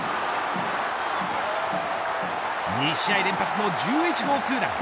２試合連発の１１号ツーラン。